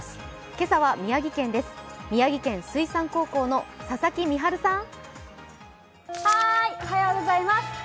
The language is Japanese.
今朝は宮城県です、宮城県水産高校の佐々木海春さん。